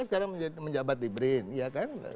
sekarang menjabat di brin ya kan